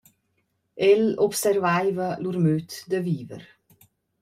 El observaiva lur möd da viver.